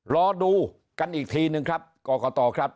รอดูกันอีกทีนึงครับกรกตครับ